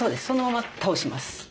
そのまま倒します。